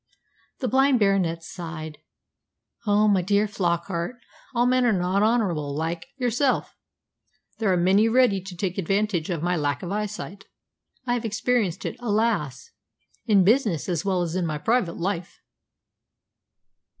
The blind Baronet sighed. "Ah, my dear Flockart! all men are not honourable like yourself. There are many ready to take advantage of my lack of eyesight. I have experienced it, alas! in business as well as in my private life."